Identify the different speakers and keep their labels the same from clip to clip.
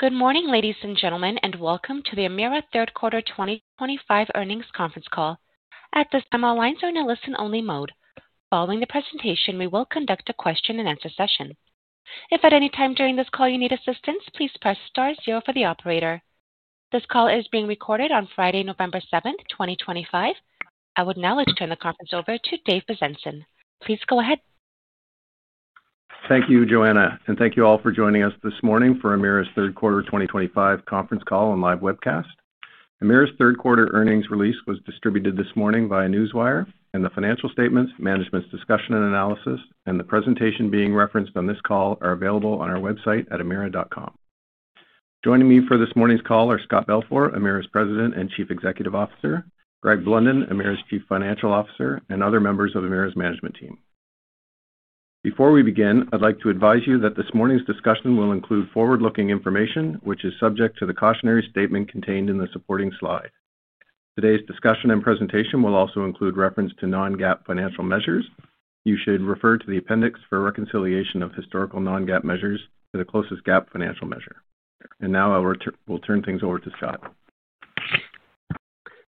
Speaker 1: Good morning, ladies and gentlemen, and welcome to the Emera Third Quarter 2025 Earnings Conference Call. At this time, all lines are in a listen-only mode. Following the presentation, we will conduct a question-and-answer session. If at any time during this call you need assistance, please press star zero for the operator. This call is being recorded on Friday, November 7th, 2025. I would now like to turn the conference over to Dave Bezanson. Please go ahead.
Speaker 2: Thank you, Joanna, and thank you all for joining us this morning for Emera's Third Quarter 2025 conference call and live webcast. Emera's Third Quarter earnings release was distributed this morning via Newswire, and the financial statements, management's discussion and analysis, and the presentation being referenced on this call are available on our website at emera.com. Joining me for this morning's call are Scott Balfour, Emera's President and Chief Executive Officer, Greg Blunden, Emera's Chief Financial Officer, and other members of Emera's management team. Before we begin, I'd like to advise you that this morning's discussion will include forward-looking information, which is subject to the cautionary statement contained in the supporting slide. Today's discussion and presentation will also include reference to non-GAAP financial measures. You should refer to the appendix for reconciliation of historical non-GAAP measures to the closest GAAP financial measure. And now I will turn things over to Scott.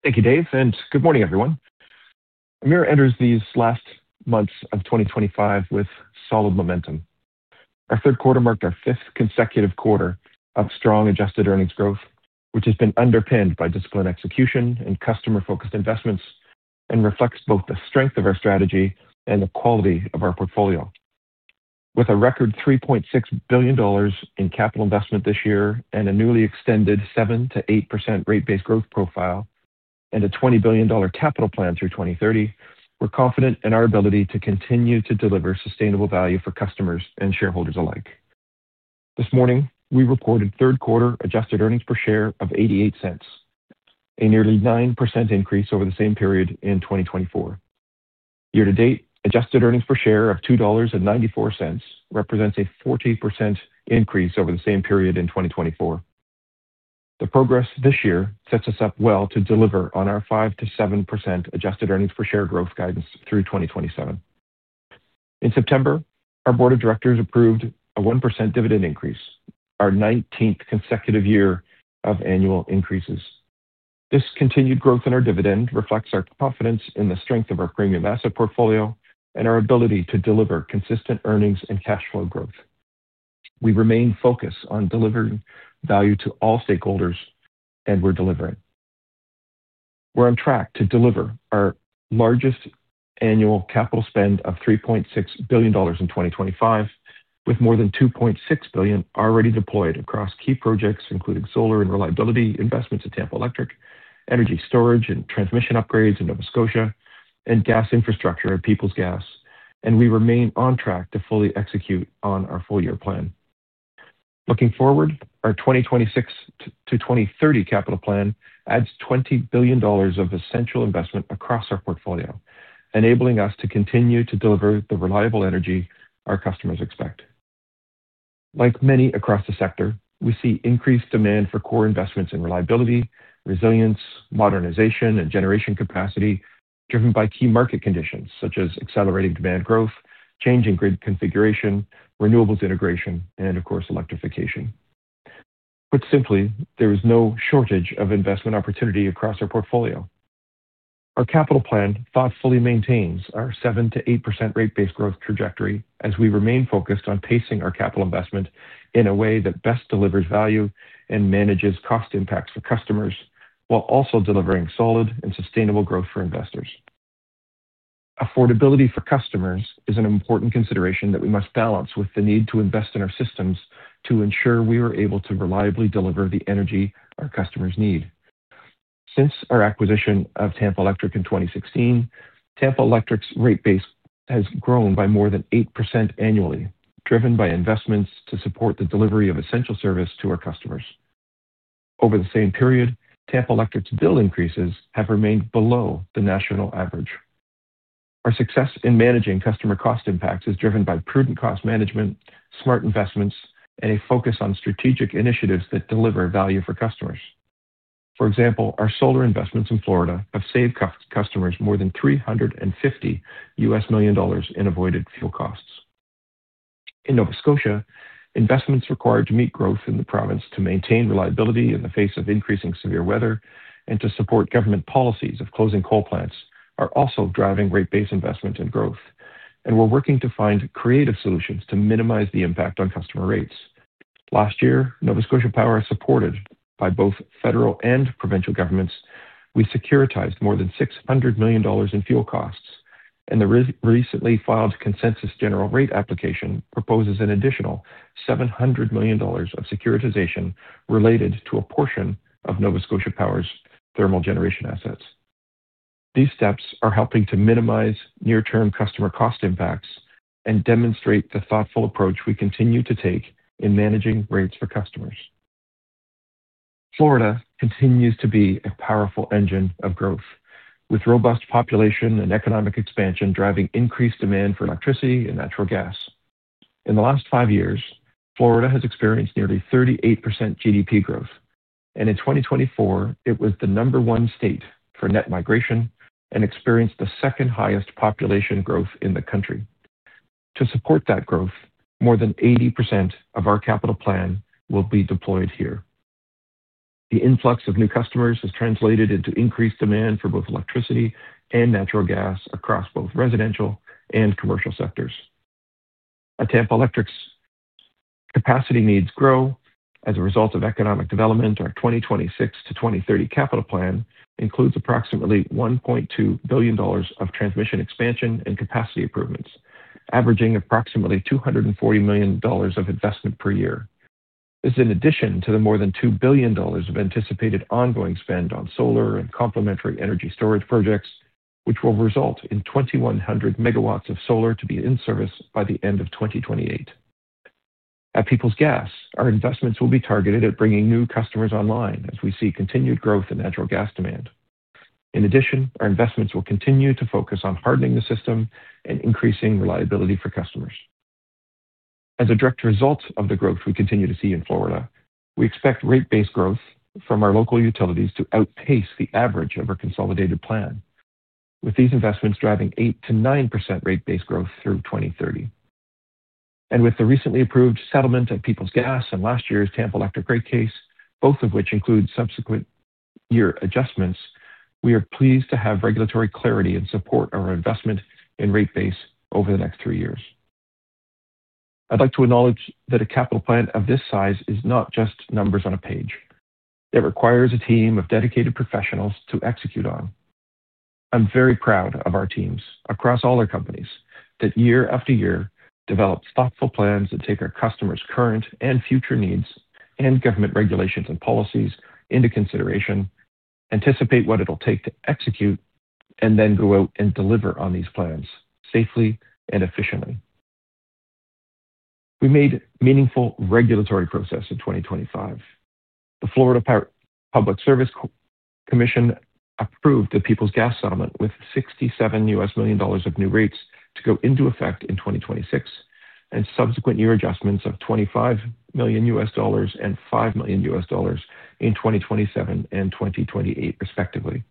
Speaker 3: Thank you, Dave, and good morning, everyone. Emera enters these last months of 2025 with solid momentum. Our third quarter marked our fifth consecutive quarter of strong adjusted earnings growth, which has been underpinned by disciplined execution and customer-focused investments, and reflects both the strength of our strategy and the quality of our portfolio. With a record $3.6 billion in capital investment this year and a newly extended 7%-8% rate-based growth profile and a $20 billion capital plan through 2030, we're confident in our ability to continue to deliver sustainable value for customers and shareholders alike. This morning, we reported third-quarter adjusted earnings per share of $0.88, a nearly 9% increase over the same period in 2024. Year-to-date, adjusted earnings per share of $2.94 represents a 40% increase over the same period in 2024. The progress this year sets us up well to deliver on our 5%-7% adjusted earnings per share growth guidance through 2027. In September, our Board of Directors approved a 1% dividend increase, our nineteenth consecutive year of annual increases. This continued growth in our dividend reflects our confidence in the strength of our premium asset portfolio and our ability to deliver consistent earnings and cash flow growth. We remain focused on delivering value to all stakeholders, and we're delivering. We're on track to deliver our largest annual capital spend of $3.6 billion in 2025, with more than $2.6 billion already deployed across key projects, including solar and reliability investments at Tampa Electric, energy storage and transmission upgrades in Nova Scotia, and gas infrastructure at Peoples Gas. We remain on track to fully execute on our full-year plan. Looking forward, our 2026-2030 capital plan adds $20 billion of essential investment across our portfolio, enabling us to continue to deliver the reliable energy our customers expect. Like many across the sector, we see increased demand for core investments in reliability, resilience, modernization, and generation capacity, driven by key market conditions such as accelerating demand growth, changing grid configuration, renewables integration, and, of course, electrification. Put simply, there is no shortage of investment opportunity across our portfolio. Our capital plan thoughtfully maintains our 7%-8% rate-based growth trajectory as we remain focused on pacing our capital investment in a way that best delivers value and manages cost impacts for customers while also delivering solid and sustainable growth for investors. Affordability for customers is an important consideration that we must balance with the need to invest in our systems to ensure we are able to reliably deliver the energy our customers need. Since our acquisition of Tampa Electric in 2016, Tampa Electric's rate base has grown by more than 8% annually, driven by investments to support the delivery of essential service to our customers. Over the same period, Tampa Electric's bill increases have remained below the national average. Our success in managing customer cost impacts is driven by prudent cost management, smart investments, and a focus on strategic initiatives that deliver value for customers. For example, our solar investments in Florida have saved customers more than $350 million in avoided fuel costs. In Nova Scotia, investments required to meet growth in the province to maintain reliability in the face of increasing severe weather and to support government policies of closing coal plants are also driving rate-based investment and growth, and we're working to find creative solutions to minimize the impact on customer rates. Last year, Nova Scotia Power, supported by both federal and provincial governments, we securitized more than $600 million in fuel costs, and the recently filed consensus general rate application proposes an additional $700 million of securitization related to a portion of Nova Scotia Power's thermal generation assets. These steps are helping to minimize near-term customer cost impacts and demonstrate the thoughtful approach we continue to take in managing rates for customers. Florida continues to be a powerful engine of growth, with robust population and economic expansion driving increased demand for electricity and natural gas. In the last five years, Florida has experienced nearly 38% GDP growth, and in 2024, it was the number one state for net migration and experienced the second highest population growth in the country. To support that growth, more than 80% of our capital plan will be deployed here. The influx of new customers has translated into increased demand for both electricity and natural gas across both residential and commercial sectors. At Tampa Electric, capacity needs grow as a result of economic development. Our 2026-2030 capital plan includes approximately $1.2 billion of transmission expansion and capacity improvements, averaging approximately $240 million of investment per year. This is in addition to the more than $2 billion of anticipated ongoing spend on solar and complementary energy storage projects, which will result in 2,100 megawatts of solar to be in service by the end of 2028. At Peoples Gas, our investments will be targeted at bringing new customers online as we see continued growth in natural gas demand. In addition, our investments will continue to focus on hardening the system and increasing reliability for customers. As a direct result of the growth we continue to see in Florida, we expect rate-based growth from our local utilities to outpace the average of our consolidated plan, with these investments driving 8-9% rate-based growth through 2030. With the recently approved settlement at Peoples Gas and last year's Tampa Electric rate case, both of which include subsequent year adjustments, we are pleased to have regulatory clarity and support our investment in rate base over the next three years. I'd like to acknowledge that a capital plan of this size is not just numbers on a page. It requires a team of dedicated professionals to execute on. I'm very proud of our teams across all our companies that year-after-year develop thoughtful plans that take our customers' current and future needs and government regulations and policies into consideration, anticipate what it'll take to execute, and then go out and deliver on these plans safely and efficiently. We made meaningful regulatory progress in 2025. The Florida Public Service Commission approved the Peoples Gas settlement with $67 million of new rates to go into effect in 2026 and subsequent year adjustments of $25 million and $5 million in 2027 and 2028, respectively.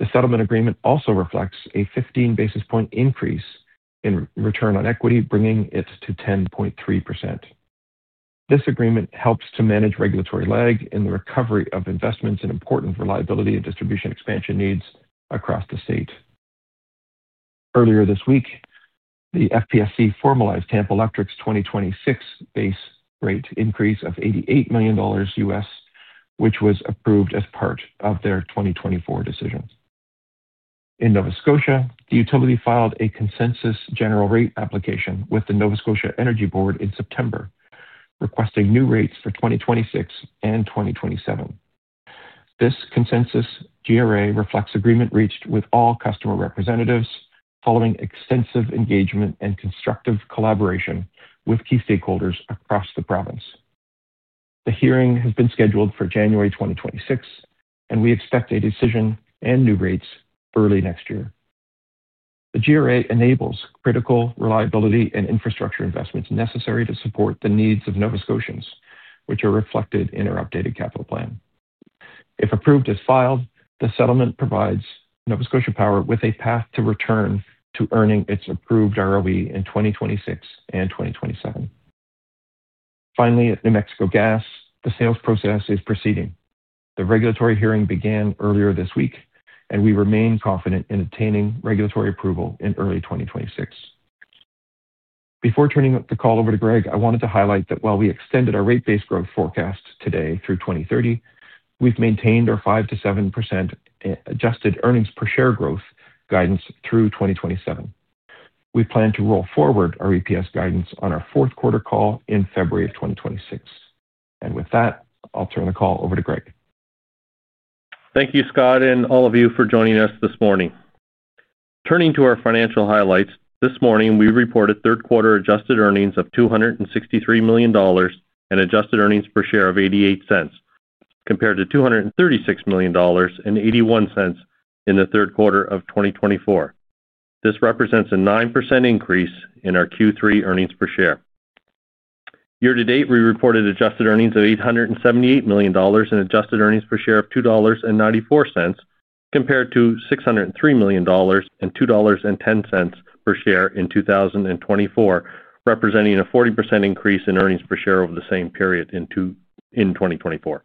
Speaker 3: The settlement agreement also reflects a 15 basis point increase in return on equity, bringing it to 10.3%. This agreement helps to manage regulatory lag in the recovery of investments in important reliability and distribution expansion needs across the state. Earlier this week, the FPSC formalized Tampa Electric's 2026 base rate increase of $88 million, which was approved as part of their 2024 decision. In Nova Scotia, the utility filed a consensus general rate application with the Nova Scotia Energy Board in September, requesting new rates for 2026 and 2027. This consensus GRA reflects agreement reached with all customer representatives following extensive engagement and constructive collaboration with key stakeholders across the province. The hearing has been scheduled for January 2026, and we expect a decision and new rates early next year. The GRA enables critical reliability and infrastructure investments necessary to support the needs of Nova Scotians, which are reflected in our updated capital plan. If approved as filed, the settlement provides Nova Scotia Power with a path to return to earning its approved ROE in 2026 and 2027. Finally, at New Mexico Gas, the sales process is proceeding. The regulatory hearing began earlier this week, and we remain confident in attaining regulatory approval in early 2026. Before turning the call over to Greg, I wanted to highlight that while we extended our rate-based growth forecast today through 2030, we've maintained our 5%-7% adjusted earnings per share growth guidance through 2027. We plan to roll forward our EPS guidance on our fourth quarter call in February of 2026. With that, I'll turn the call over to Greg.
Speaker 4: Thank you, Scott, and all of you for joining us this morning. Turning to our financial highlights, this morning we reported third-quarter adjusted earnings of $263 million and adjusted earnings per share of $0.88, compared to $236 million and $0.81 in the third quarter of 2024. This represents a 9% increase in our Q3 earnings per share. Year-to-date, we reported adjusted earnings of $878 million and adjusted earnings per share of $ 2.94, compared to $603 million and $2.10 per share in 2024, representing a 40% increase in earnings per share over the same period in 2024.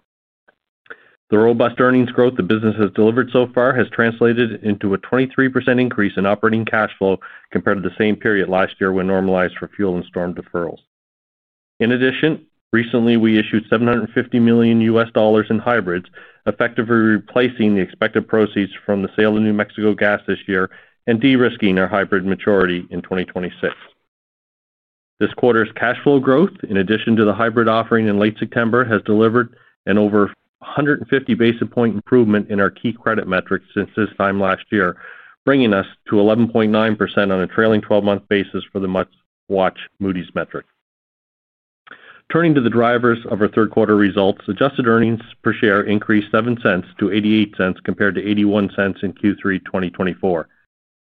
Speaker 4: The robust earnings growth the business has delivered so far has translated into a 23% increase in operating cash flow compared to the same period last year when normalized for fuel and storm deferrals. In addition, recently we issued $750 million in hybrids, effectively replacing the expected proceeds from the sale of New Mexico Gas this year and de-risking our hybrid maturity in 2026. This quarter's cash flow growth, in addition to the hybrid offering in late September, has delivered an over 150 basis point improvement in our key credit metrics since this time last year, bringing us to 11.9% on a trailing 12-month basis for the must-watch Moody's metric. Turning to the drivers of our third quarter results, adjusted earnings per share increased $0.07-$0.88, compared to $0.81 in Q3 2024.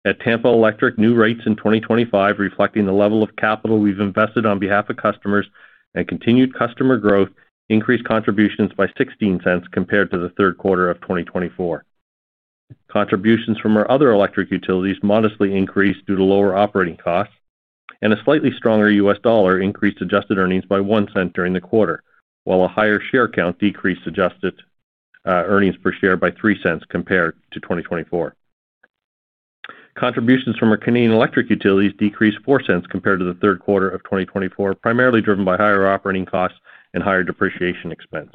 Speaker 4: At Tampa Electric, new rates in 2025, reflecting the level of capital we've invested on behalf of customers and continued customer growth, increased contributions by $0.16 compared to the third quarter of 2024. Contributions from our other electric utilities modestly increased due to lower operating costs, and a slightly stronger U.S. dollar increased adjusted earnings by $0.01 during the quarter, while a higher share count decreased adjusted earnings per share by $0.03 compared to 2024. Contributions from our Canadian electric utilities decreased $0.04 compared to the third quarter of 2024, primarily driven by higher operating costs and higher depreciation expense.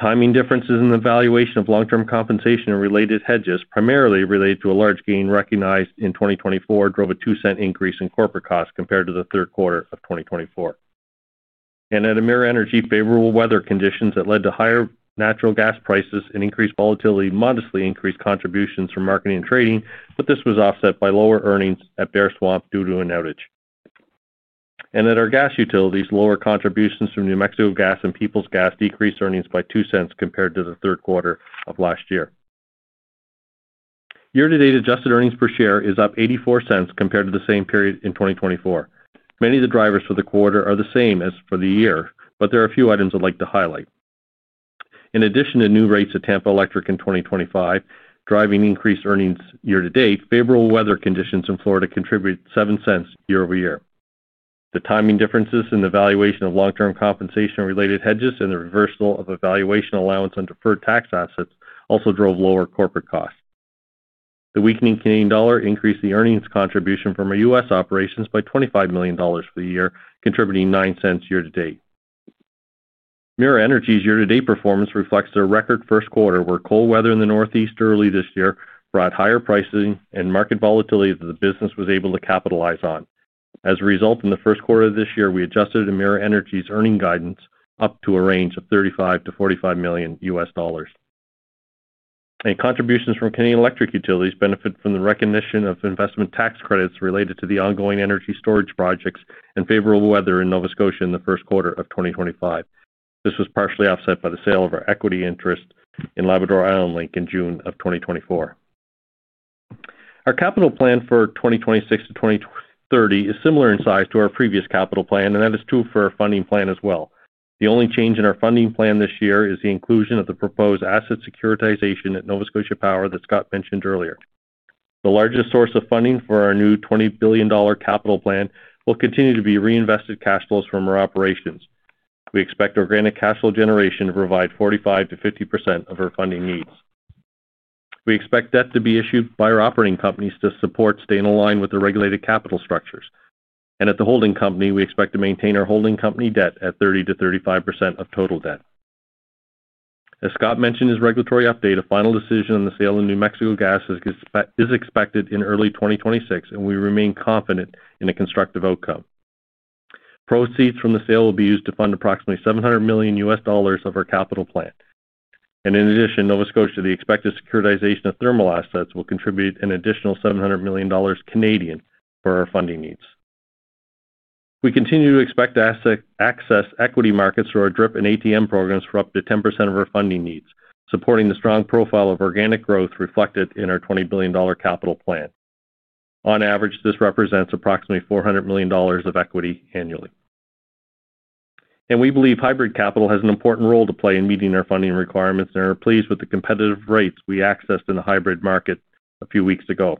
Speaker 4: Timing differences in the valuation of long-term compensation and related hedges primarily related to a large gain recognized in 2024 drove a $0.02 increase in corporate costs compared to the third quarter of 2024. At Emera Energy, favorable weather conditions that led to higher natural gas prices and increased volatility modestly increased contributions from marketing and trading, but this was offset by lower earnings at Bear Swamp due to an outage. At our gas utilities, lower contributions from New Mexico Gas and Peoples Gas decreased earnings by $0.02 compared to the third quarter of last year. Year-to-date adjusted earnings per share is up $0.84 compared to the same period in 2024. Many of the drivers for the quarter are the same as for the year, but there are a few items I'd like to highlight. In addition to new rates at Tampa Electric in 2025, driving increased earnings year-to-date, favorable weather conditions in Florida contribute $0.07 year-over-year. The timing differences in the valuation of long-term compensation-related hedges and the reversal of evaluation allowance on deferred tax assets also drove lower corporate costs. The weakening Canadian dollar increased the earnings contribution from our U.S. operations by $25 million for the year, contributing $0.09 year-to-date. Emera Energy's year-to-date performance reflects their record first quarter, where cold weather in the northeast early this year brought higher pricing and market volatility that the business was able to capitalize on. As a result, in the first quarter of this year, we adjusted Emera Energy's earning guidance up to a range of $35 million-$45 million U.S. dollars. Contributions from Canadian electric utilities benefited from the recognition of investment tax credits related to the ongoing energy storage projects and favorable weather in Nova Scotia in the first quarter of 2025. This was partially offset by the sale of our equity interest in Labrador Island Link in June of 2024. Our capital plan for 2026-2030 is similar in size to our previous capital plan, and that is true for our funding plan as well. The only change in our funding plan this year is the inclusion of the proposed asset securitization at Nova Scotia Power that Scott mentioned earlier. The largest source of funding for our new $20 billion capital plan will continue to be reinvested cash flows from our operations. We expect our granted cash flow generation to provide 45%-50% of our funding needs. We expect debt to be issued by our operating companies to support staying aligned with the regulated capital structures. At the holding company, we expect to maintain our holding company debt at 30%-35% of total debt. As Scott mentioned in his regulatory update, a final decision on the sale of New Mexico Gas is expected in early 2026, and we remain confident in a constructive outcome. Proceeds from the sale will be used to fund approximately $700 million of our capital plan. In addition, in Nova Scotia, the expected securitization of thermal assets will contribute an additional 700 million Canadian dollars for our funding needs. We continue to expect to access equity markets through our DRIP and ATM programs for up to 10% of our funding needs, supporting the strong profile of organic growth reflected in our $20 billion capital plan. On average, this represents approximately $400 million of equity annually. We believe hybrid capital has an important role to play in meeting our funding requirements and are pleased with the competitive rates we accessed in the hybrid market a few weeks ago.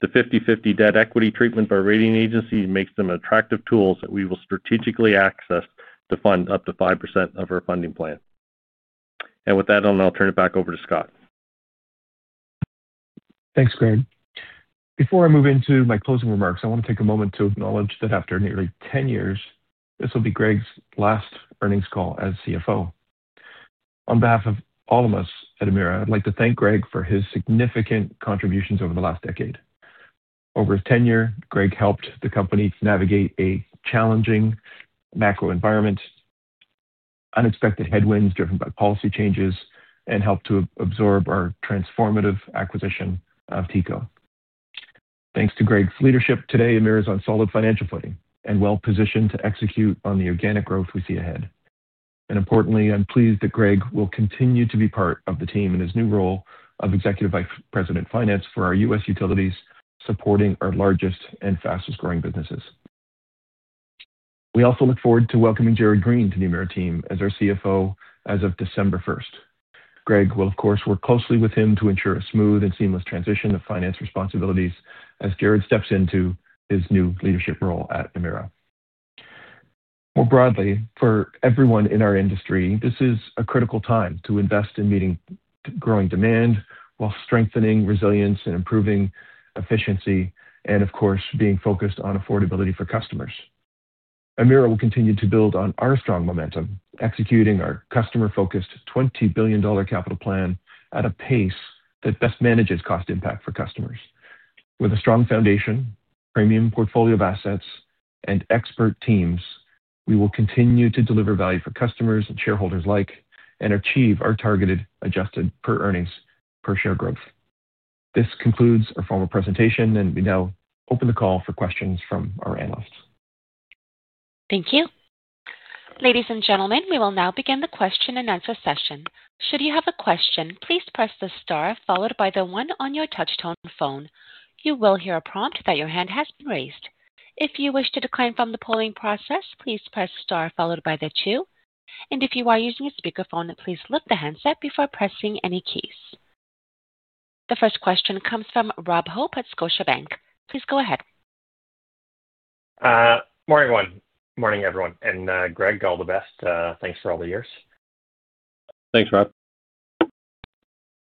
Speaker 4: The 50/50 debt equity treatment by rating agency makes them attractive tools that we will strategically access to fund up to 5% of our funding plan. And with that, I'll now turn it back over to Scott.
Speaker 3: Thanks, Greg. Before I move into my closing remarks, I want to take a moment to acknowledge that after nearly 10 years, this will be Greg's last earnings call as CFO. On behalf of all of us at Emera, I'd like to thank Greg for his significant contributions over the last decade. Over his tenure, Greg helped the company navigate a challenging macro environment, unexpected headwinds driven by policy changes, and helped to absorb our transformative acquisition of TECO. Thanks to Greg's leadership today, Emera is on solid financial footing and well positioned to execute on the organic growth we see ahead. Importantly, I'm pleased that Greg will continue to be part of the team in his new role of Executive Vice President Finance for our U.S. utilities, supporting our largest and fastest growing businesses. We also look forward to welcoming Jared Green to the Emera team as our CFO as of December 1st. Greg will, of course, work closely with him to ensure a smooth and seamless transition of finance responsibilities as Jared steps into his new leadership role at Emera. More broadly, for everyone in our industry, this is a critical time to invest in meeting growing demand while strengthening resilience and improving efficiency, and of course, being focused on affordability for customers. Emera will continue to build on our strong momentum, executing our customer-focused $20 billion capital plan at a pace that best manages cost impact for customers. With a strong foundation, premium portfolio of assets, and expert teams, we will continue to deliver value for customers and shareholders alike and achieve our targeted adjusted per earnings per share growth. This concludes our formal presentation, and we now open the call for questions from our analysts.
Speaker 1: Thank you. Ladies and gentlemen, we will now begin the question-and-answer session. Should you have a question, please press the star followed by the one on your touchtone phone. You will hear a prompt that your hand has been raised. If you wish to decline from the polling process, please press star followed by the two. If you are using a speakerphone, please lift the handset before pressing any keys. The first question comes from Rob Hope at Scotia Bank. Please go ahead.
Speaker 5: Morning, everyone. Greg, all the best. Thanks for all the years.
Speaker 4: Thanks, Rob.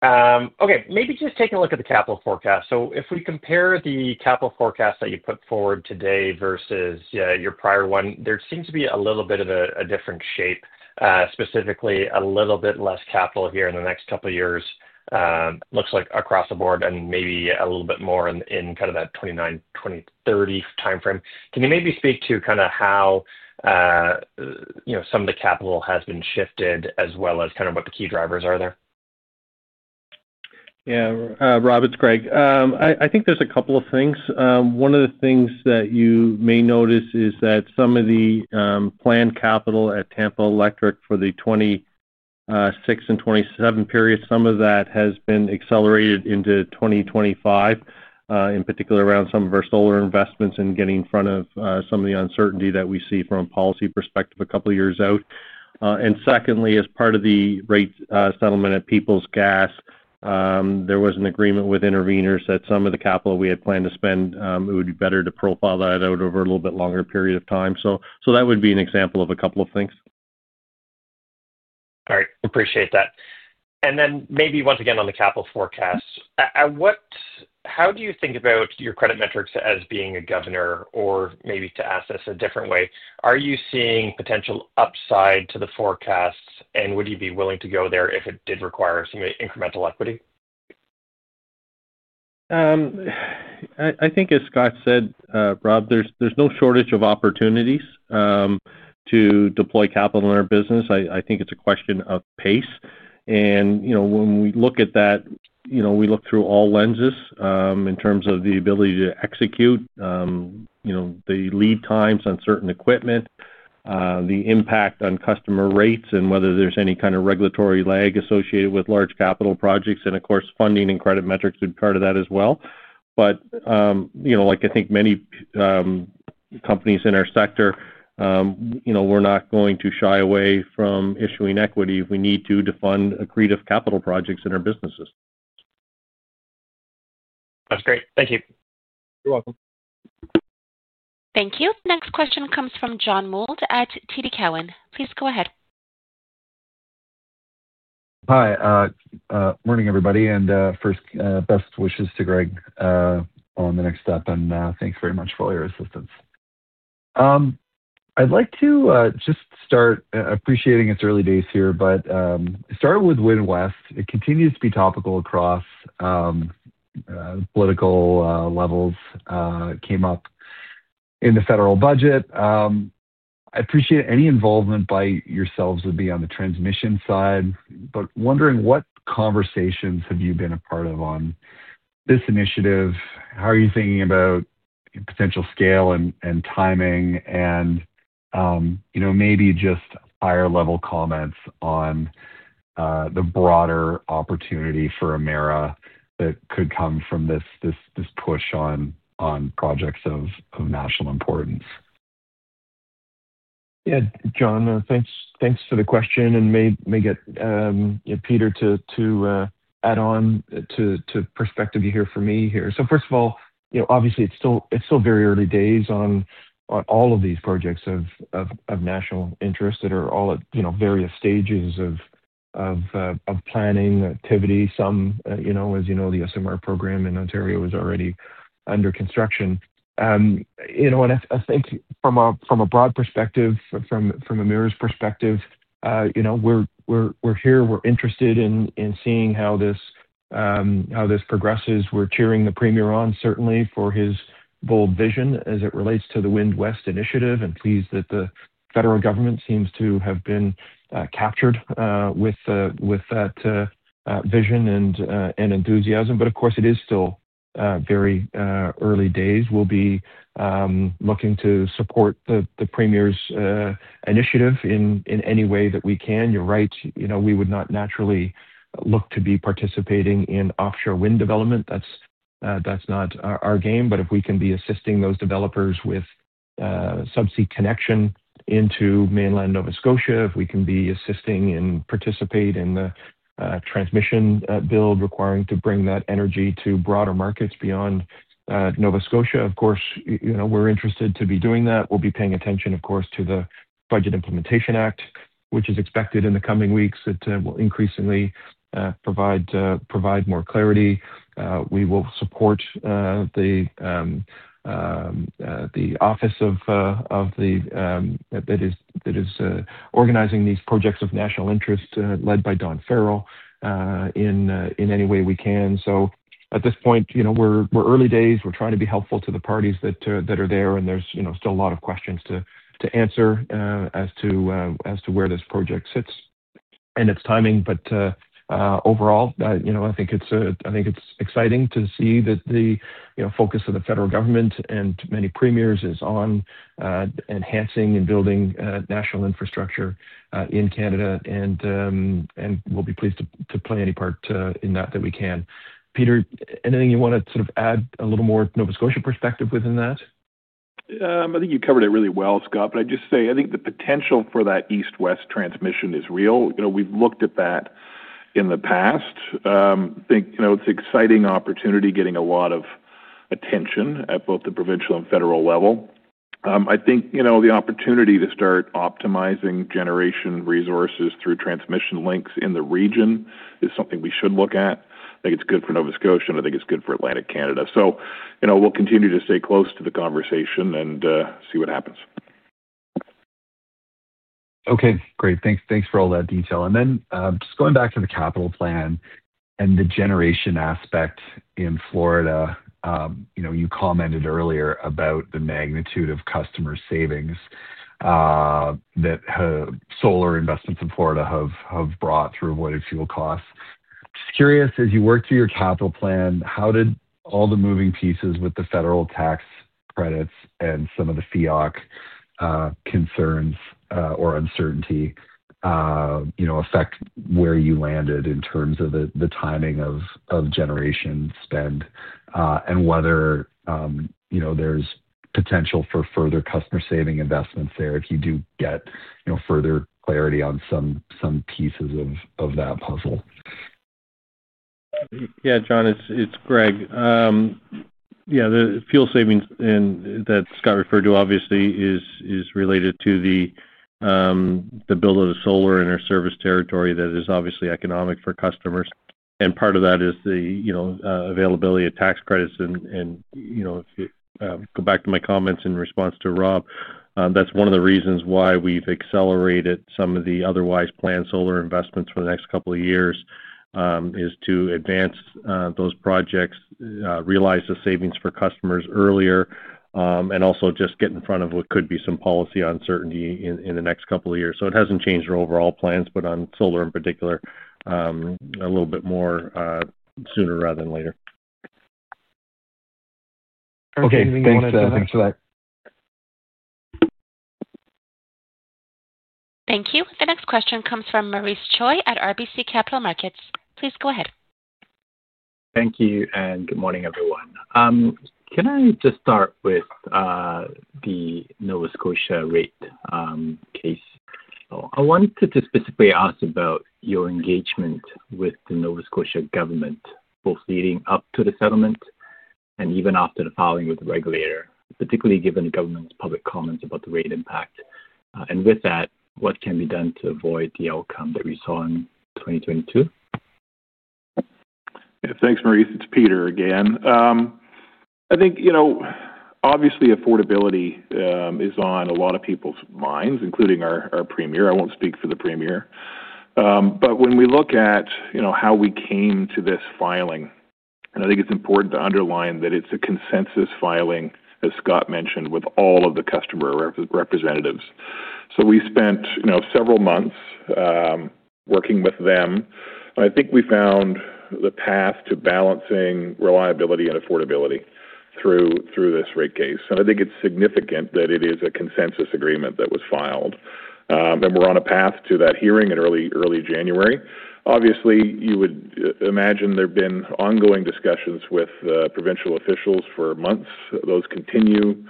Speaker 5: Okay. Maybe just take a look at the capital forecast. If we compare the capital forecast that you put forward today versus your prior one, there seems to be a little bit of a different shape, specifically a little bit less capital here in the next couple of years, looks like across the board, and maybe a little bit more in kind of that 2029, 2030 timeframe. Can you maybe speak to kind of how some of the capital has been shifted as well as kind of what the key drivers are there?
Speaker 4: Yeah, Rob, it's Greg. I think there's a couple of things. One of the things that you may notice is that some of the planned capital at Tampa Electric for the 2026 and 2027 period, some of that has been accelerated into 2025, in particular around some of our solar investments and getting in front of some of the uncertainty that we see from a policy perspective a couple of years out. Secondly, as part of the rate settlement at Peoples Gas, there was an agreement with interveners that some of the capital we had planned to spend, it would be better to profile that out over a little bit longer period of time. That would be an example of a couple of things.
Speaker 5: All right. Appreciate that. And then maybe once again on the capital forecast, how do you think about your credit metrics as being a governor or maybe to ask this a different way? Are you seeing potential upside to the forecasts, and would you be willing to go there if it did require some incremental equity?
Speaker 4: I think, as Scott said, Rob, there's no shortage of opportunities to deploy capital in our business. I think it's a question of pace. And you know when we look at that, we look through all lenses in terms of the ability to execute, the lead times on certain equipment, the impact on customer rates, and whether there's any kind of regulatory lag associated with large capital projects. Of course, funding and credit metrics would be part of that as well. Like I think many companies in our sector, we're not going to shy away from issuing equity if we need to to fund accretive capital projects in our businesses.
Speaker 5: That's great. Thank you.
Speaker 3: You're welcome.
Speaker 1: Thank you. Next question comes from John Mould at TD Cowen. Please go ahead. Hi. Morning, everybody. First, best wishes to Greg on the next step. Thanks very much for all your assistance. I'd like to just start appreciating it's early days here, but it started with Wind West. It continues to be topical across political levels. It came up in the federal budget. I appreciate any involvement by yourselves would be on the transmission side, but wondering what conversations have you been a part of on this initiative? How are you thinking about potential scale and timing and maybe just higher-level comments on the broader opportunity for Emera that could come from this push on projects of national importance?
Speaker 3: Yeah, John, thanks for the question. I may get Peter to add on to the perspective you hear from me here. So first of all, obviously, it's still very early days on all of these projects of national interest that are all at various stages of planning activity. Some, as you know, the SMR program in Ontario is already under construction. I think from a broad perspective, from Emera's perspective, we're here. We're interested in seeing how this progresses. We're cheering the Premier on, certainly, for his bold vision as it relates to the Wind West initiative and pleased that the federal government seems to have been captured with that vision and enthusiasm. Of course, it is still very early days. We'll be looking to support the Premier's initiative in any way that we can. You're right. We would not naturally look to be participating in offshore wind development. That's not our game. If we can be assisting those developers with subsea connection into Mainland Nova Scotia, if we can be assisting and participate in the transmission build required to bring that energy to broader markets beyond Nova Scotia, of course, we're interested to be doing that. We'll be paying attention, of course, to the Budget Implementation Act, which is expected in the coming weeks that will increasingly provide more clarity. We will support the office that is organizing these projects of national interest led by Dan Farrell in any way we can. So at this point, we're early days. We're trying to be helpful to the parties that are there. There's still a lot of questions to answer as to where this project sits and its timing. But overall, I think it's exciting to see that the focus of the federal government and many premiers is on enhancing and building national infrastructure in Canada. We'll be pleased to play any part in that that we can. Peter, anything you want to sort of add a little more Nova Scotia perspective within that?
Speaker 6: I think you covered it really well, Scott. I just say, I think the potential for that east-west transmission is real. We've looked at that in the past. I think it's an exciting opportunity getting a lot of attention at both the provincial and federal level. I think the opportunity to start optimizing generation resources through transmission links in the region is something we should look at. I think it's good for Nova Scotia. I think it's good for Atlantic Canada. We'll continue to stay close to the conversation and see what happens. Okay. Great. Thanks for all that detail. Just going back to the capital plan and the generation aspect in Florida, you commented earlier about the magnitude of customer savings that solar investments in Florida have brought through avoided fuel costs. Just curious, as you work through your capital plan, how did all the moving pieces with the federal tax credits and some of the fiat concerns or uncertainty affect where you landed in terms of the timing of generation spend and whether there's potential for further customer-saving investments there if you do get further clarity on some pieces of that puzzle?
Speaker 4: Yeah, John, it's Greg. Yeah, the fuel savings that Scott referred to, obviously, is related to the build of the solar in our service territory that is obviously economic for customers. Part of that is the availability of tax credits. If you go back to my comments in response to Rob, that's one of the reasons why we've accelerated some of the otherwise planned solar investments for the next couple of years is to advance those projects, realize the savings for customers earlier, and also just get in front of what could be some policy uncertainty in the next couple of years. It hasn't changed our overall plans, but on solar in particular, a little bit more sooner rather than later. Okay. Thanks for that.
Speaker 1: Thank you. The next question comes from Maurice Choy at RBC Capital Markets. Please go ahead.
Speaker 7: Thank you. Good morning, everyone. Can I just start with the Nova Scotia rate case? I wanted to specifically ask about your engagement with the Nova Scotia government, both leading up to the settlement and even after the filing with the regulator, particularly given the government's public comments about the rate impact. With that, what can be done to avoid the outcome that we saw in 2022?
Speaker 6: Yeah. Thanks, Maurice. It's Peter again. I think you know, obviously, affordability is on a lot of people's minds, including our Premier. I won't speak for the Premier. But when we look at how we came to this filing, and I think it's important to underline that it's a consensus filing, as Scott mentioned, with all of the customer representatives. So we spent several months working with them. I think we found the path to balancing reliability and affordability through this rate case. I think it's significant that it is a consensus agreement that was filed. We're on a path to that hearing in early January. Obviously, you would imagine there have been ongoing discussions with provincial officials for months. Those continue.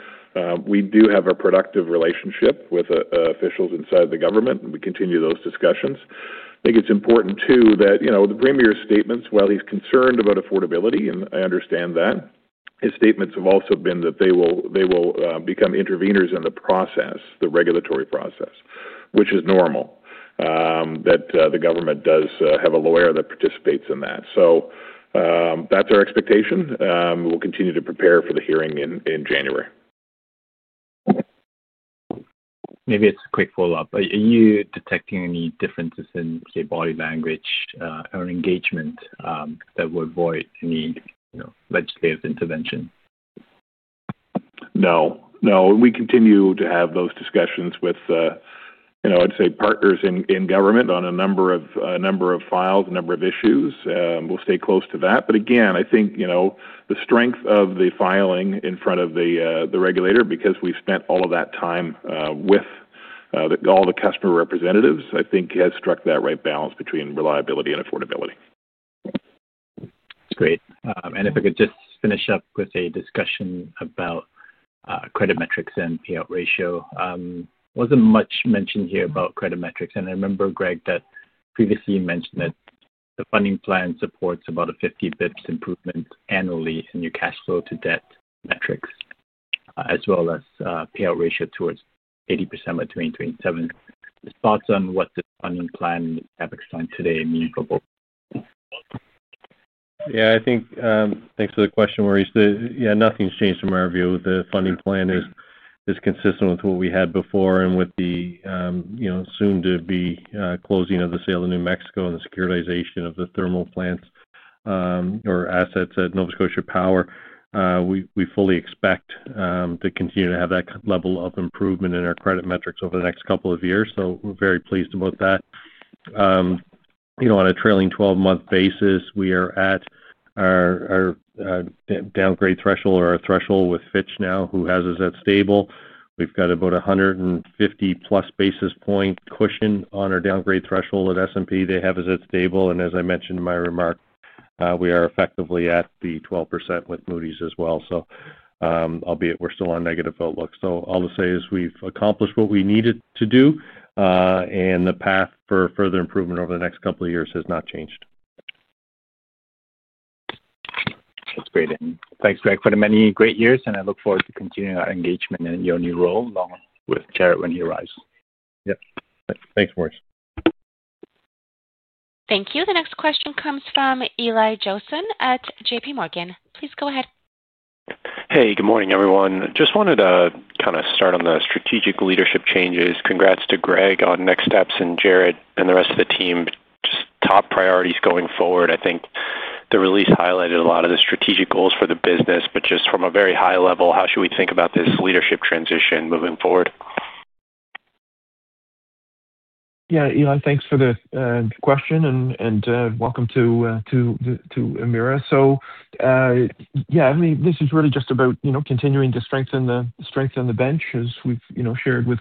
Speaker 6: We do have a productive relationship with officials inside the government, and we continue those discussions. I think it's important, too, that the Premier's statements, while he's concerned about affordability, and I understand that, his statements have also been that they will become interveners in the process, the regulatory process, which is normal, that the government does have a lawyer that participates in that. So that is our expectation. We'll continue to prepare for the hearing in January.
Speaker 7: Maybe it's a quick follow-up. Are you detecting any differences in, say, body language or engagement that would avoid any legislative intervention?
Speaker 6: No. No. We continue to have those discussions with, I'd say, partners in government on a number of files, a number of issues. We'll stay close to that. Again, I think the strength of the filing in front of the regulator, because we've spent all of that time with all the customer representatives, I think has struck that right balance between reliability and affordability.
Speaker 7: That's great. If I could just finish up with a discussion about credit metrics and payout ratio. There was not much mentioned here about credit metrics. I remember, Greg, that previously you mentioned that the funding plan supports about a 50 basis points improvement annually in your cash flow-to-debt metrics, as well as payout ratio towards 80% by 2027. Thoughts on what the funding plan and the CapEx plan today mean for both?
Speaker 4: Yeah. I think thanks for the question, Maurice. Yeah, nothing's changed from our view. The funding plan is consistent with what we had before and with the soon-to-be closing of the sale of New Mexico and the securitization of the thermal plants or assets at Nova Scotia Power. We fully expect to continue to have that level of improvement in our credit metrics over the next couple of years. We are very pleased about that. On a trailing 12-month basis, we are at our downgrade threshold or our threshold with Fitch now, who has us at stable. We have about 150+ basis point cushion on our downgrade threshold at S&P. They have us at stable. And as I mentioned in my remark, we are effectively at the 12% with Moody's as well, albeit we are still on negative outlook. All to say is we have accomplished what we needed to do. And the path for further improvement over the next couple of years has not changed.
Speaker 7: That's great. Thanks, Greg, for the many great years. I look forward to continuing our engagement in your new role along with Jared when he arrives.
Speaker 4: Yep. Thanks, Maurice.
Speaker 1: Thank you. The next question comes from Eli Jossen at JPMorgan. Please go ahead.
Speaker 8: Hey, good morning, everyone. Just wanted to kind of start on the strategic leadership changes. Congrats to Greg on next steps and Jared and the rest of the team. Just top priorities going forward. I think the release highlighted a lot of the strategic goals for the business, but just from a very high level, how should we think about this leadership transition moving forward?
Speaker 3: Yeah. Eli, thanks for the question. And welcome to Emera. Yeah, I mean, this is really just about continuing to strengthen the bench, as we've shared with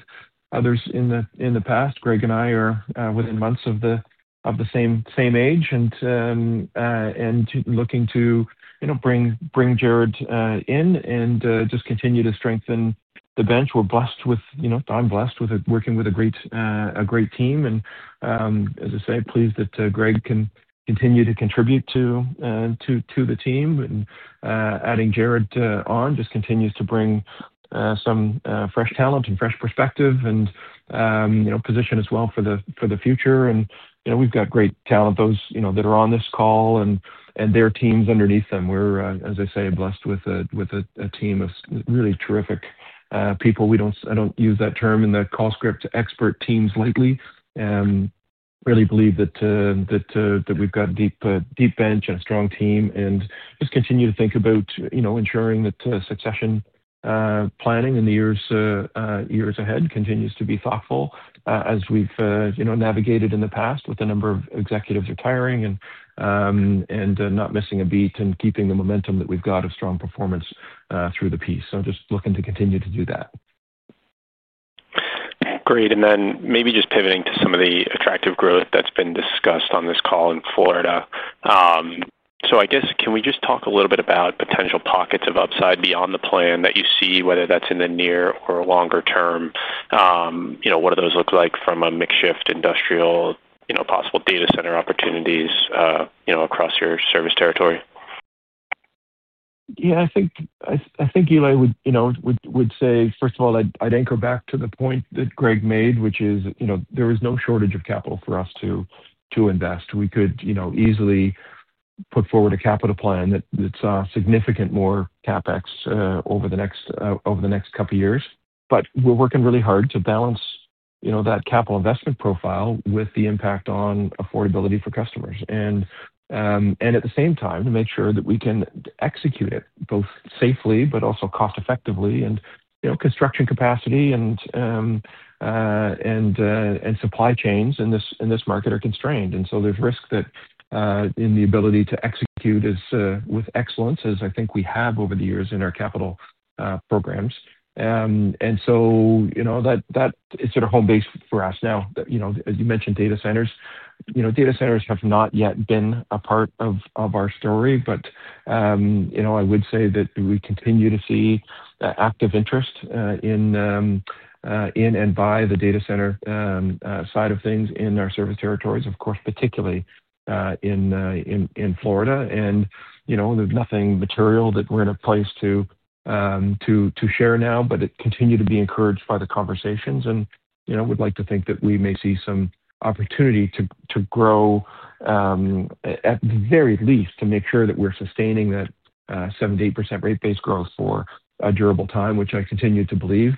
Speaker 3: others in the past. Greg and I are within months of the same age and looking to bring Jared in and just continue to strengthen the bench. We're blessed with—I'm blessed with working with a great team. As I say, pleased that Greg can continue to contribute to the team. And adding Jared on just continues to bring some fresh talent and fresh perspective and position as well for the future. We've got great talent, those that are on this call and their teams underneath them. We're, as I say, blessed with a team of really terrific people. I don't use that term in the call script, expert teams lately. I really believe that we have got a deep bench and a strong team. I just continue to think about ensuring that succession planning in the years ahead continues to be thoughtful as we have navigated in the past with a number of executives retiring and not missing a beat and keeping the momentum that we have got of strong performance through the piece. I am just looking to continue to do that.
Speaker 8: Great. Maybe just pivoting to some of the attractive growth that has been discussed on this call in Florida. I guess, can we just talk a little bit about potential pockets of upside beyond the plan that you see, whether that is in the near or longer term? What do those look like from a makeshift industrial, possible data center opportunities across your service territory?
Speaker 3: Yeah. I think Eli would say, first of all, I'd echo back to the point that Greg made, which is there is no shortage of capital for us to invest. We could easily put forward a capital plan that's significantly more CapEx over the next couple of years. We are working really hard to balance that capital investment profile with the impact on affordability for customers. At the same time, to make sure that we can execute it both safely but also cost-effectively. Construction capacity and supply chains in this market are constrained. There is risk in the ability to execute with excellence, as I think we have over the years in our capital programs. So you know that is sort of home base for us now. As you mentioned, data centers. Data centers have not yet been a part of our story. I would say that we continue to see active interest in and by the data center side of things in our service territories, of course, particularly in Florida. There is nothing material that we're in a place to share now, but I continue to be encouraged by the conversations. I would like to think that we may see some opportunity to grow, at the very least, to make sure that we're sustaining that 70% rate-based growth for a durable time, which I continue to believe.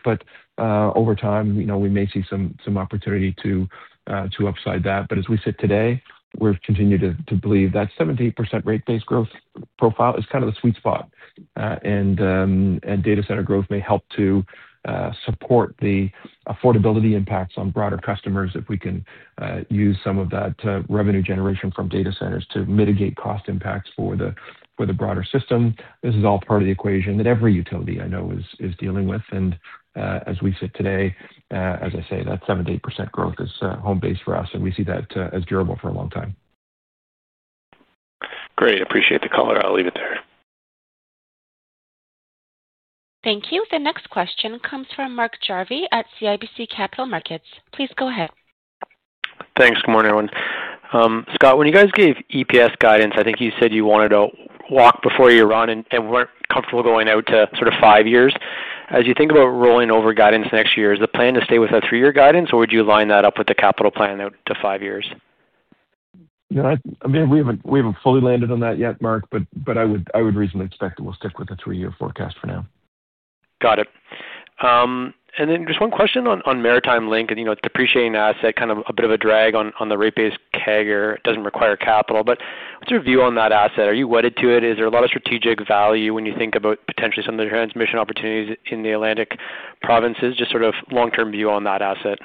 Speaker 3: Over time, we may see some opportunity to upside that. As we sit today, we've continued to believe that 70% rate-based growth profile is kind of the sweet spot. Data center growth may help to support the affordability impacts on broader customers if we can use some of that revenue generation from data centers to mitigate cost impacts for the broader system. This is all part of the equation that every utility I know is dealing with. As we sit today, as I say, that 70% growth is home base for us. We see that as durable for a long time.
Speaker 8: Great. Appreciate the call. I'll leave it there.
Speaker 1: Thank you. The next question comes from Mark Jarvi at CIBC Capital Markets. Please go ahead.
Speaker 9: Thanks. Good morning, everyone. Scott, when you guys gave EPS guidance, I think you said you wanted to walk before you run and were not comfortable going out to sort of five years. As you think about rolling over guidance next year, is the plan to stay with a three-year guidance, or would you line that up with the capital plan out to five years?
Speaker 3: Yeah. I mean, we have not fully landed on that yet, Mark, but I would reasonably expect that we will stick with a three-year forecast for now.
Speaker 9: Got it. Just one question on Maritime Link. It is appreciating the asset, kind of a bit of a drag on the rate-based CAGR. It does not require capital. What is your view on that asset? Are you wedded to it? Is there a lot of strategic value when you think about potentially some of the transmission opportunities in the Atlantic provinces? Just sort of long-term view on that asset.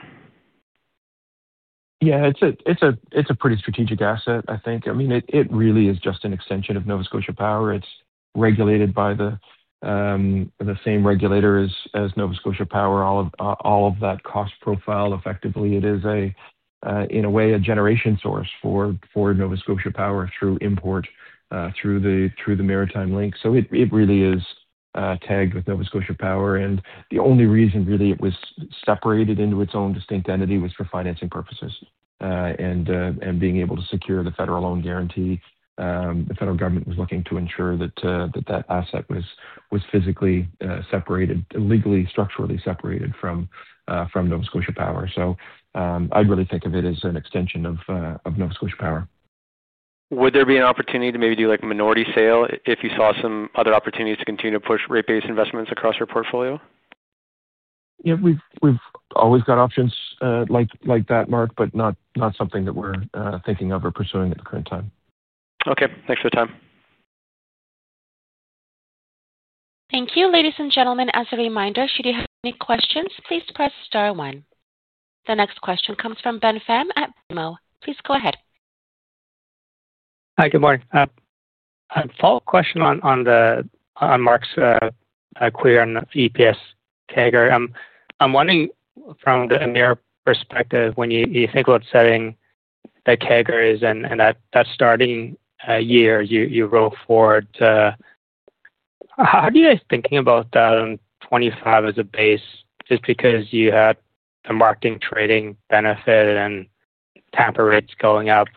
Speaker 3: Yeah. It's a pretty strategic asset, I think. I mean, it really is just an extension of Nova Scotia Power. It's regulated by the same regulator as Nova Scotia Power. All of that cost profile, effectively, it is, in a way, a generation source for Nova Scotia Power through import through the Maritime Link. It really is tagged with Nova Scotia Power. The only reason really it was separated into its own distinct entity was for financing purposes and being able to secure the federal loan guarantee. The federal government was looking to ensure that that asset was physically separated, legally, structurally separated from Nova Scotia Power. I'd really think of it as an extension of Nova Scotia Power.
Speaker 9: Would there be an opportunity to maybe do a minority sale if you saw some other opportunities to continue to push rate-based investments across your portfolio?
Speaker 3: Yeah. We've always got options like that, Mark, but not something that we're thinking of or pursuing at the current time.
Speaker 9: Okay. Thanks for the time.
Speaker 1: Thank you. Ladies and gentlemen, as a reminder, should you have any questions, please press star one. The next question comes from Ben Pham at BMO. Please go ahead.
Speaker 10: Hi. Good morning. A follow-up question on Mark's query on EPS CAGR. I'm wondering, from the Emera perspective, when you think about setting the CAGRs and that starting year you roll forward, how do you guys think about that on 2025 as a base just because you had the marketing trading benefit and Tampa rates going up?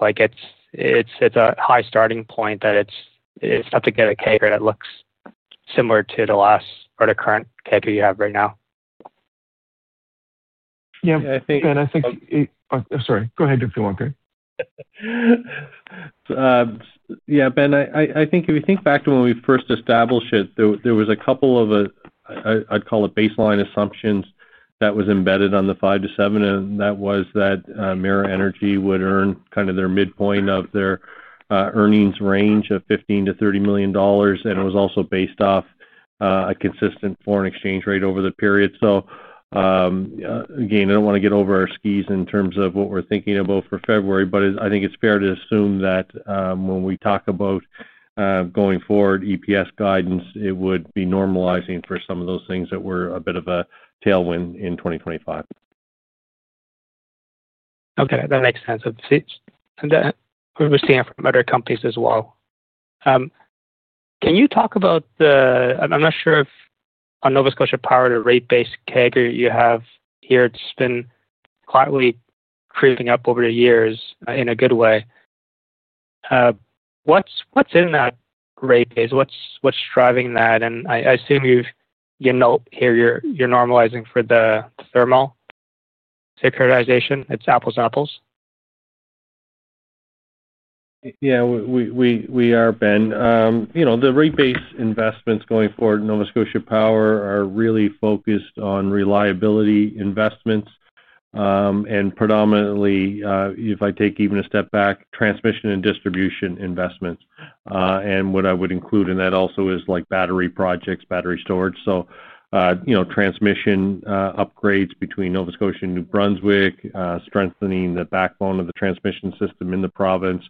Speaker 10: It's a high starting point that it's tough to get a CAGR that looks similar to the last or the current CAGR you have right now.
Speaker 3: Yeah. I think—sorry. Go ahead, if you want, Greg.
Speaker 4: Yeah. Ben, I think if we think back to when we first established it, there was a couple of, I'd call it, baseline assumptions that was embedded on the 5-7. That was that Emera Energy would earn kind of their midpoint of their earnings range of $15 million-$30 million. It was also based off a consistent foreign exchange rate over the period. Again, I don't want to get over our skis in terms of what we're thinking about for February. I think it's fair to assume that when we talk about going forward EPS guidance, it would be normalizing for some of those things that were a bit of a tailwind in 2025.
Speaker 10: Okay. That makes sense. We're seeing that from other companies as well. Can you talk about the—I'm not sure if on Nova Scotia Power, the rate base CAGR you have here, it's been quietly creeping up over the years in a good way. What's in that rate base? What's driving that? I assume you note here you're normalizing for the thermal securitization. It's apples-to-apples.
Speaker 4: Yeah. We are, Ben. The rate-based investments going forward in Nova Scotia Power are really focused on reliability investments and predominantly, if I take even a step back, transmission and distribution investments. What I would include in that also is battery projects, battery storage. Transmission upgrades between Nova Scotia and New Brunswick, strengthening the backbone of the transmission system in the province,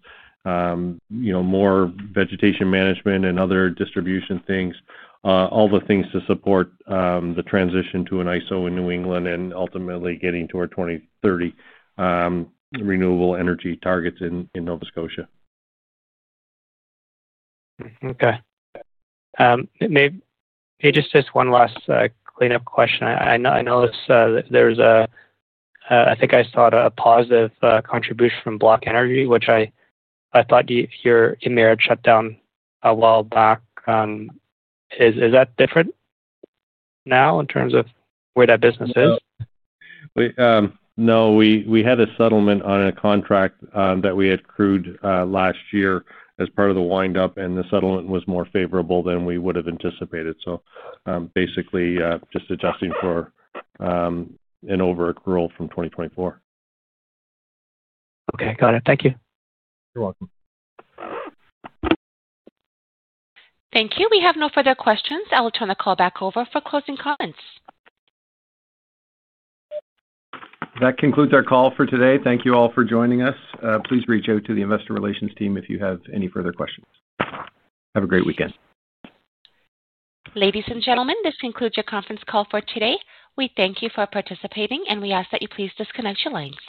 Speaker 4: more vegetation management and other distribution things, all the things to support the transition to an ISO in New England and ultimately getting to our 2030 renewable energy targets in Nova Scotia.
Speaker 10: Okay. Maybe just one last clean-up question. I noticed there's a—I think I saw a positive contribution from Block Energy, which I thought your Emera shut down a while back. Is that different now in terms of where that business is?
Speaker 4: No. We had a settlement on a contract that we had accrued last year as part of the wind-up. And the settlement was more favorable than we would have anticipated. So basically, just adjusting for an overaccrual from 2024.
Speaker 10: Okay. Got it. Thank you.
Speaker 4: You're welcome.
Speaker 1: Thank you. We have no further questions. I'll turn the call back over for closing comments.
Speaker 2: That concludes our call for today. Thank you all for joining us. Please reach out to the investor relations team if you have any further questions. Have a great weekend.
Speaker 1: Ladies and gentlemen, this concludes your conference call for today. We thank you for participating. We ask that you please disconnect your lines.